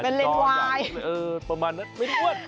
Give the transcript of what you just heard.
เป็นเลนวายประมาณนั้นไม่อ้วน